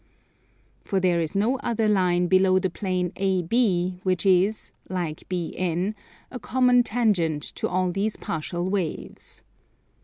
For there is no other line below the plane AB which is, like BN, a common tangent to all these partial waves.